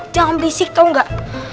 jangan berisik tau gak